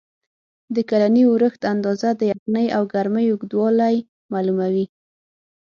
د کلني اورښت اندازه، د یخنۍ او ګرمۍ اوږدوالی معلوموي.